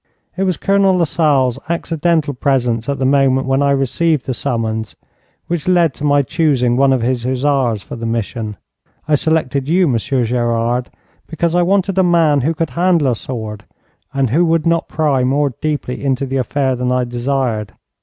It was Colonel Lasalle's accidental presence at the moment when I received the summons which led to my choosing one of his hussars for the mission. I selected you, Monsieur Gerard, because I wanted a man who could handle a sword, and who would not pry more deeply into the affair than I desired.